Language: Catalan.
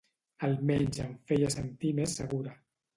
Almenys em feia sentir més segura.